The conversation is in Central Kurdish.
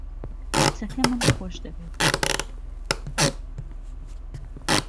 کچەکەمم خۆش دەوێت.